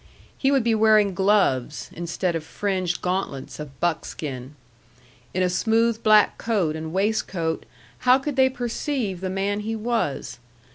He would be wearing gloves, instead of fringed gauntlets of buckskin. In a smooth black coat and waistcoat, how could they perceive the man he was?